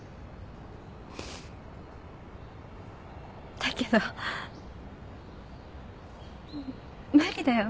だけど無理だよね